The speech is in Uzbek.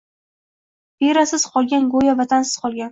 Verasiz qolgan go’yo vatansiz qolgan